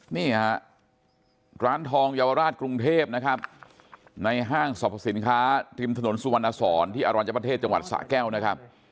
นี่ฮะร้านทองเยาวราชกรุงเทพนะครับในห้างสรรพสินค้าทิมถนนสุวรรณสอนที่อรัญญประเทศจังหวัดสะแก้วนะครับ